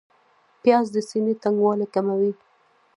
پیاز د سینې تنګوالی کموي